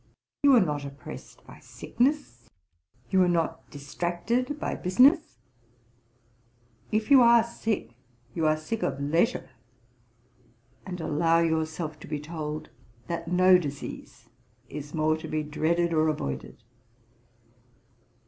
You are not oppressed by sickness, you are not distracted by business; if you are sick, you are sick of leisure: And allow yourself to be told, that no disease is more to be dreaded or avoided.